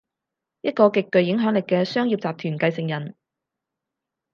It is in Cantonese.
一個極具影響力嘅商業集團繼承人